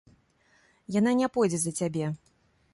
Яна не пойдзе за цябе.